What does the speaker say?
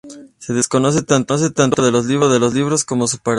Se desconoce tanto el título de los libros como su paradero.